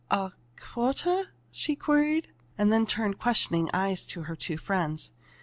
"A quarter?" she queried, and turned questioning eyes to her two friends.